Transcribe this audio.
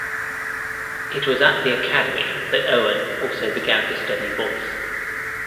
It was at the Academy that Owen also began to study voice.